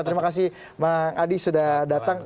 terima kasih bang adi sudah datang